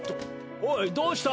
おいどうした？